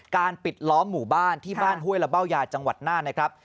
ปิดล้อมหมู่บ้านที่บ้านห้วยละเบ้ายาจังหวัดน่านนะครับ